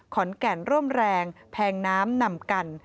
ขอนแก่นร่วมแรงแพงน้ำนำกัน